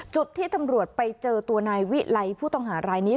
จุดที่ตำรวจไปเจอตัวนายวิไลผู้ต้องหารายนี้